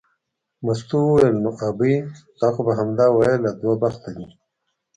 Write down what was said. مستو وویل نو ابۍ تا خو به همدا ویل دوه بخته دی.